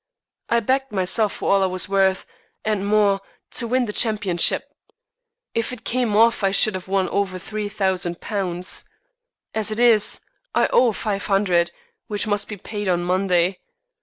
I backed myself for all I was worth, and more, to win the championship. If it came off I should have won over £3,000. As it is, I owe £500, which must be paid on Monday.